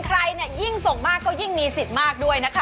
ใครเนี่ยยิ่งส่งมากก็ยิ่งมีสิทธิ์มากด้วยนะคะ